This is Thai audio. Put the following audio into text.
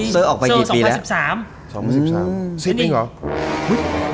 เสอออกไปทีสัปดาห์